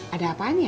ada apaan ya